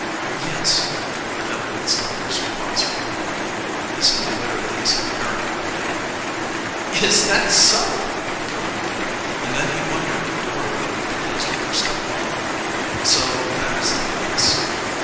"Yes," Peleg Snuggers paused for a moment. "They say the widder thinks of marrying again." "Is that so!" put in Dick, and then he wondered if Dora would be pleased with her stepfather. "So that is the place?"